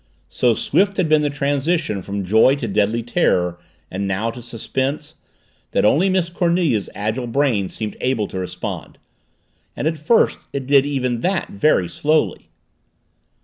So swift had been the transition from joy to deadly terror, and now to suspense, that only Miss Cornelia's agile brain seemed able to respond. And at first it did even that very slowly.